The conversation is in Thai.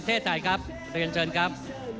ท่านแรกครับจันทรุ่ม